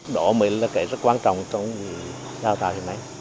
đó mới là cái rất quan trọng trong đào tạo hiện nay